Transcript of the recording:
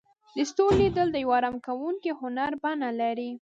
د ستورو لیدل د یو آرام کوونکي هنر بڼه لري.